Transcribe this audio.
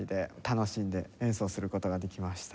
楽しんで演奏する事ができました。